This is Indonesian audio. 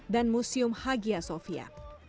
dan museum hagia sofia